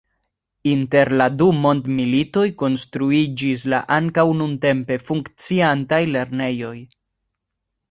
Inter la du mondmilitoj konstruiĝis la ankaŭ nuntempe funkciantaj lernejoj.